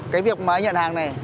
cái việc mà anh nhận hàng này